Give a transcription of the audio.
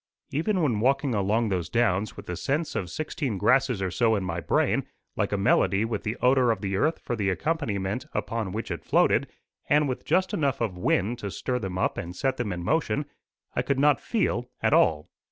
Even when walking along those downs with the scents of sixteen grasses or so in my brain, like a melody with the odour of the earth for the accompaniment upon which it floated, and with just enough of wind to stir them up and set them in motion, I could not feel at all.